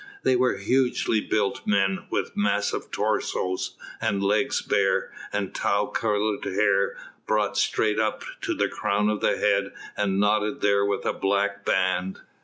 They were hugely built men, with massive torso and legs bare, and tow coloured hair brought straight up to the crown of the head and knotted there with a black band.